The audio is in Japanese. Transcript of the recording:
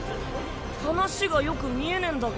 話がよく見えねぇんだけど。